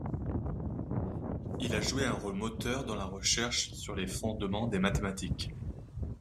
Il a joué un rôle moteur dans la recherche sur les fondements des mathématiques.